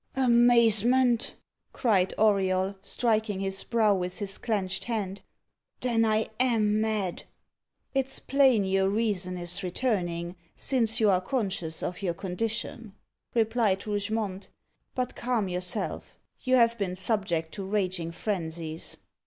"Amazement!" cried Auriol, striking his brow with his clenched hand. "Then I am mad." "It's plain your reason is returning, since you are conscious of your condition," replied Rougemont; "but calm yourself, you have been subject to raging frenzies."